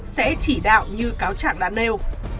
sẽ chỉ đạo như cáo trạng đã nêu